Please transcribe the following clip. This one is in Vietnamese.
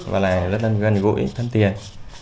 và rất là gần gũi thân thiện